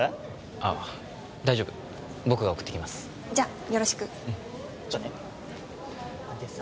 あっ大丈夫僕が送っていきますじゃよろしくじゃあねでさ